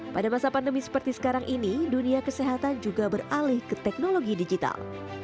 pada masa pandemi seperti sekarang ini dunia kesehatan juga beralih ke teknologi digital